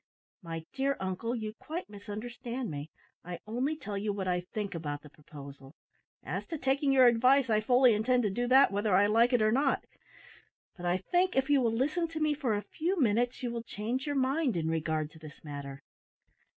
"My dear uncle, you quite misunderstand me. I only tell you what I think about the proposal. As to taking your advice, I fully intend to do that whether I like it or not; but I think, if you will listen to me for a few minutes, you will change your mind in regard to this matter.